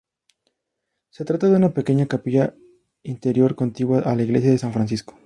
Se trata de una pequeña capilla interior contigua a la Iglesia de San Francisco.